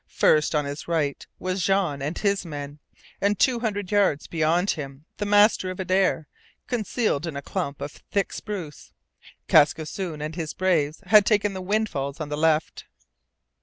First, on his right, was Jean and his men, and two hundred yards beyond him the master of Adare, concealed in a clump of thick spruce, Kaskisoon and his braves had taken the windfalls on the left.